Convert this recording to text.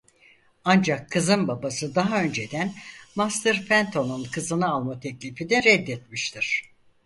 Ancak kızın babası daha önceden Master Fenton'un kızını alma teklifini reddetmiştir.